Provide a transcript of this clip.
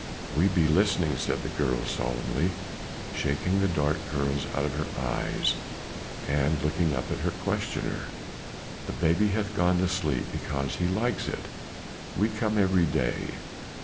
"We be listening," said the girl solemnly, shaking the dark curls out of her eyes and looking up at her questioner. "The baby hath gone to sleep because he likes it; we come every day.